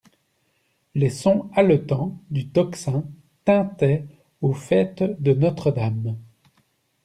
Les sons haletants du tocsin tintaient au faîte de Notre-Dame.